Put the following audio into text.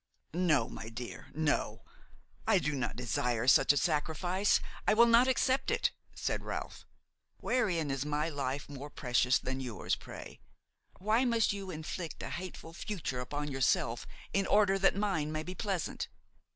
"No, my dear, no; I do not desire such a sacrifice; I will never accept it," said Ralph. "Wherein is my life more precious than yours, pray? Why must you inflict a hateful future upon yourself in order that mine may be pleasant?